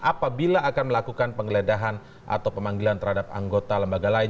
apabila akan melakukan penggeledahan atau pemanggilan terhadap anggota lembaga lain